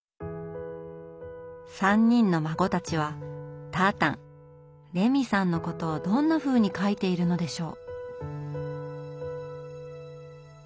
３人の孫たちはたーたんレミさんのことをどんなふうに書いているのでしょう？